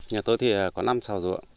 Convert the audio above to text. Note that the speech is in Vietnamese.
nhà tôi thì có năm xào ruộng